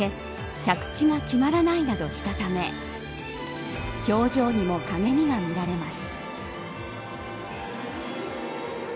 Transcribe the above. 着地が決まらないなどしたため表情にも陰りがみられます。